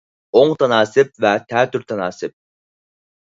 ئوڭ تاناسىپ ۋە تەتۈر تاناسىپ